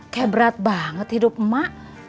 kayak berat banget hidup emak